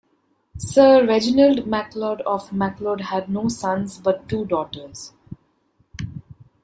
Sir Reginald MacLeod of MacLeod had no sons, but two daughters.